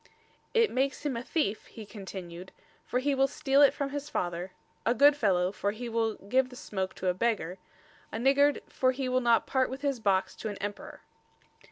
"It makes him a theefe," he continued "for he will steale it from his father; a good fellow, for he will give the smoake to a beggar; a niggard, for he will not part with his box to an Emperor!"